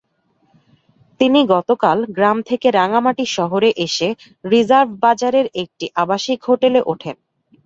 তিনি গতকাল গ্রাম থেকে রাঙামাটি শহরে এসে রিজার্ভ বাজারের একটি আবাসিক হোটেলে ওঠেন।